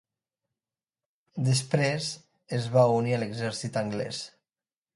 Després es va unir a l'exèrcit anglès.